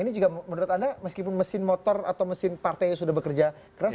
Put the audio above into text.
ini juga menurut anda meskipun mesin motor atau mesin partai sudah bekerja keras